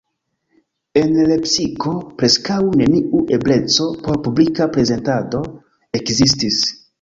En Lepsiko preskaŭ neniu ebleco por publika prezentado ekzistis.